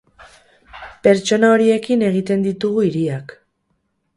Pertsona horiekin egiten ditugu hiriak.